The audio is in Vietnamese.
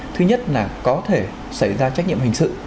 thứ nhất là có thể xảy ra trách nhiệm hình sự